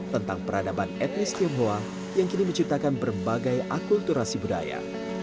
tentang peradaban etnis tionghoa yang kini menciptakan berbagai akulturasi budaya